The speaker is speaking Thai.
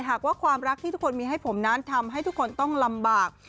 หากว่าความรักที่ทุกคนมีให้ผมนั้นทำให้ทุกคนต้องลำบาก